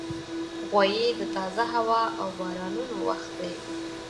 غویی د تازه هوا او بارانونو وخت دی.